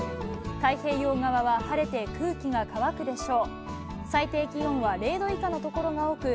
太平洋側は晴れて空気が乾くでしょう。